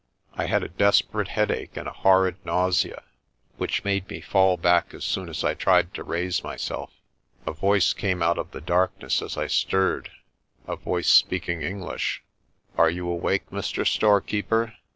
I had a desperate headache and a horrid nausea, which made me fall back as soon as I tried to raise myself. A voice came out of the darkness as I stirred a voice speaking English. "Are you awake, Mr. Storekeeper?'